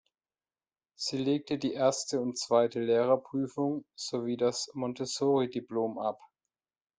Sie legte die erste und zweite Lehrerprüfung sowie das Montessori-Diplom ab.